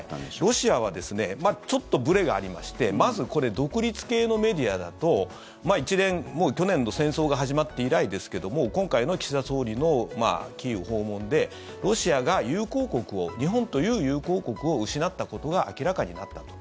ロシアはですねちょっとぶれがありましてまずこれ、独立系のメディアだともう去年の戦争が始まって以来ですけども今回の岸田総理のキーウ訪問でロシアが友好国を日本という友好国を失ったことが明らかになったと。